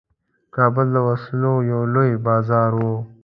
کابل د وسلو یو لوی بازار وو.